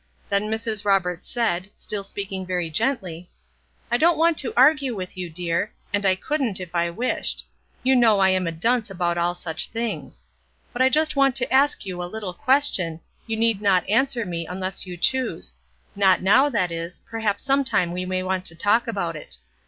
Then Mrs. Roberts said, still speaking very gently: "I don't want to argue with you, dear, and I couldn't if I wished; you know I am a dunce about all such things; but I just want to ask you a little question; you need not answer me unless you choose; not now, that is perhaps some time we may want to talk about it.